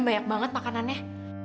saya cepat makan nih